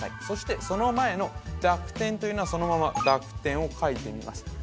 そしてその前の濁点というのはそのまま濁点を書いてみます